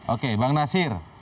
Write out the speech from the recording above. oke bang nasir